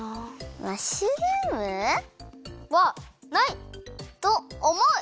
マッシュルーム？はない！とおもう！